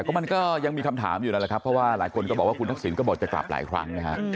ก็มันก็ยังมีคำถามอยู่นั่นแหละครับเพราะว่าหลายคนก็บอกว่าคุณทักษิณก็บอกจะกลับหลายครั้งนะฮะ